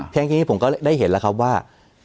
อย่างนี้ผมก็ได้เห็นแล้วครับว่า